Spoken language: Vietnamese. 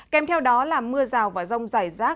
kèm theo đó là mưa rào và rông dài rác